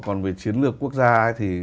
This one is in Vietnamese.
còn về chiến lược quốc gia ấy thì